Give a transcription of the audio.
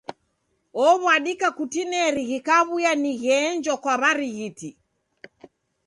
Ow'adika kutineri ghikaw'uya ni gheenjwa kwa w'arighiti.